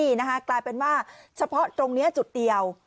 นี่นะคะกลายเป็นว่าเฉพาะตรงนี้จุดเดียว